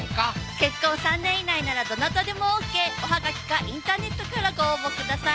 結婚３年以内ならどなたでもＯＫおはがきかインターネットからご応募ください